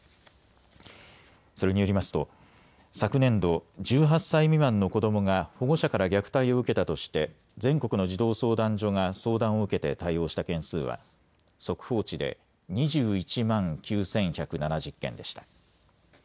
それによりますと昨年度、１８歳未満の子どもが保護者から虐待を受けたとして全国の児童相談所が相談を受けて対応した件数は速報値で２１万９１７０件でした。